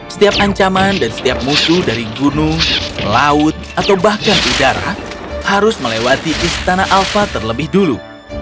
setiap ancaman dan setiap musuh dari gunung laut atau bahkan udara harus melewati istana alfa terlebih dulu